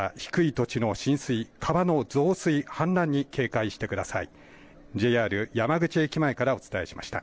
また、低い土地の浸水、川の増水、氾濫に警戒してください。